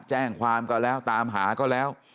แจ้งความก็แล้วตามหาก็แล้ว